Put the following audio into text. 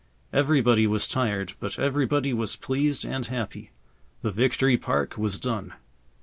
Everybody was tired, but everybody was pleased and happy. The Victory Park was done!